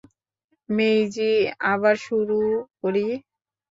মেইজি, আবার শুরু করি?